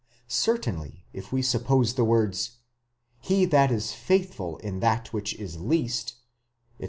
Certainly, if we suppose the words, He that is faithful in that which zs least, etc.